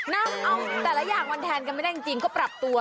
น้ำเอาแต่ละอย่างมาแทนกันไม่ได้จริงก็ปรับตัว